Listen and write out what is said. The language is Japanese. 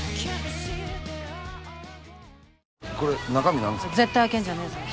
これ中身なんですか？